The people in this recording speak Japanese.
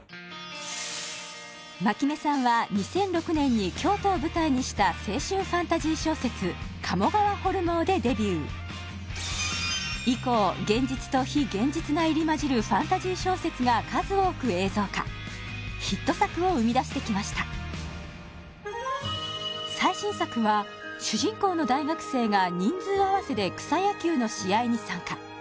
万城目さんは２００６年に京都を舞台にした青春ファンタジー小説「鴨川ホルモー」でデビュー以降現実と非現実が入り交じるファンタジー小説が数多く映像化ヒット作を生み出してきました最新作は主人公の大学生が人数合わせで草野球の試合に参加